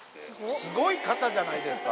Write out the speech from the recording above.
すごい方じゃないですか。